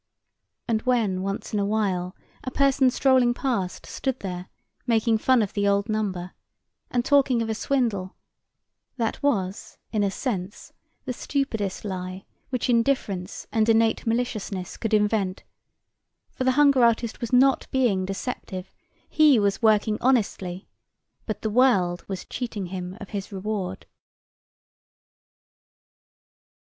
And when once in a while a person strolling past stood there making fun of the old number and talking of a swindle, that was in a sense the stupidest lie which indifference and innate maliciousness could invent, for the hunger artist was not being deceptive—he was working honestly—but the world was cheating him of his reward.